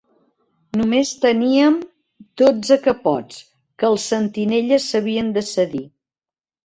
Només teníem dotze capots, que els sentinelles s'havien de cedir